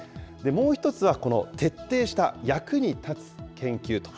もう１つはこの、徹底した役に立つ研究と。